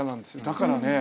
だからね